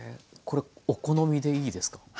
これお好みでいいですか？